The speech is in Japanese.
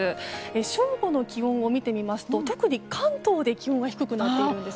正午の気温を見てみると、特に関東で低くなっているんです。